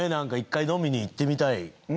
１回飲みに行ってみたい。